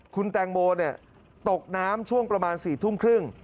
คุณแตงโมตกน้ำช่วงประมาณ๔ทุ่มครึ่ง